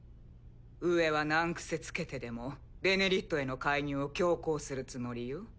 上は難癖つけてでも「ベネリット」への介入を強行するつもりよ。